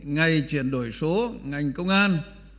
ngày chuyển đổi số ngành công an